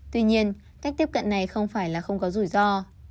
tuy nhiên cách tiếp cận này không phải là không có rủi ro